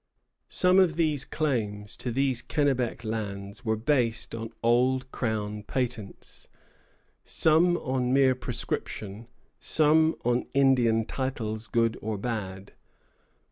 Some of the claims to these Kennebec lands were based on old Crown patents, some on mere prescription, some on Indian titles, good or bad.